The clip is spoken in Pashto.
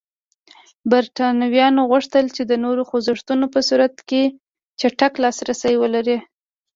برېټانویانو غوښتل چې د نورو خوځښتونو په صورت کې چټک لاسرسی ولري.